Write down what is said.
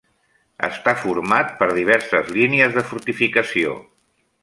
Està format per diverses línies de fortificació.